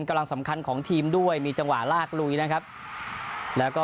กำลังสำคัญของทีมด้วยมีจังหวะลากลุยนะครับแล้วก็